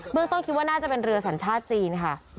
ต้นคิดว่าน่าจะเป็นเรือสัญชาติจีนค่ะ